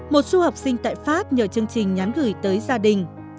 một du học sinh tại pháp nhờ chương trình nhắn gửi tới gia đình